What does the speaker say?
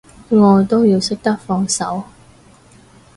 愛都要識得放手